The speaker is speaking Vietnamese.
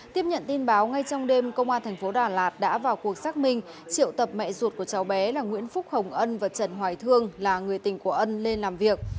tiếp nhận tin báo ngay trong đêm công an thành phố đà lạt đã vào cuộc xác minh triệu tập mẹ ruột của cháu bé là nguyễn phúc hồng ân và trần hoài thương là người tình của ân lên làm việc